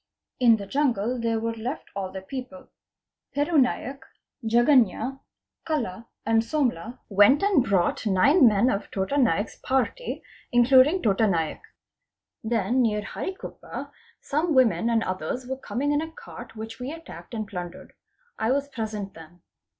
In the jungle there were left all the people. Peru Naik, Jaganya, Kala and Somla went and brought nine men of Tota Naik's party including Tota Naik. Then near Harikuppa some women and others were coming in a cart which we attacked and plundered. I was present then.